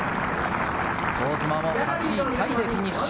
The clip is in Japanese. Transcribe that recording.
香妻も８位タイでフィニッシュ。